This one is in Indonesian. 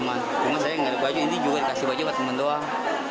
baju saya nggak ada ini juga dikasih baju buat teman doang